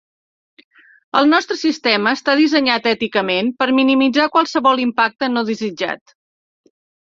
El nostre sistema està dissenyat èticament per minimitzar qualsevol impacte no desitjat.